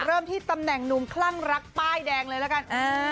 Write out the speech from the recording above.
เริ่มที่ตำแหน่งหนุ่มคลั่งรักป้ายแดงเลยละกัน